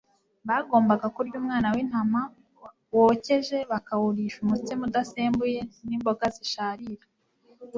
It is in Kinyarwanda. bagombaga kurya umwana w'intama wokeje bakawurisha umutsima udasembuye n'imboga zisharira.